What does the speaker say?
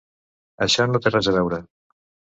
Això no té res a veure!